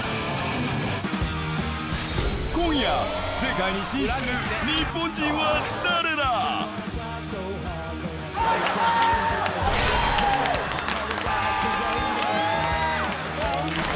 今夜世界に進出する日本人は誰だ？ＯＫ！